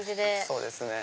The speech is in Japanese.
そうですね。